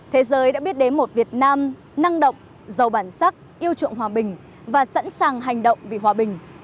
thế giới đã biết đến một việt nam năng động giàu bản sắc yêu chuộng hòa bình và sẵn sàng hành động vì hòa bình